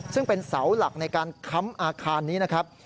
ซึ่งเป็นเสาหลักในการค้ำอาคารนี้นะครับ